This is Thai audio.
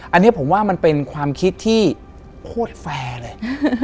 อันนี้ผมว่ามันเป็นความคิดที่โคตรแฟร์เลย